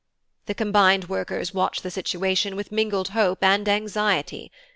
"The Combined Workers watched the situation with mingled hope and anxiety.